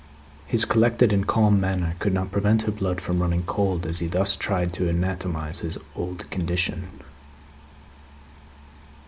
His collected and calm manner could not prevent her blood from running cold, as he thus tried to anatomise his old condition.